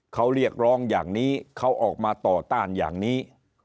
เขาเรียกร้องอย่างนี้เขาออกมาต่อต้านอย่างนี้